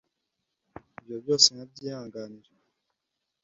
Ibyo byose nkabyihanganira